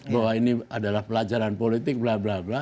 bahwa ini adalah pelajaran politik bla bla bla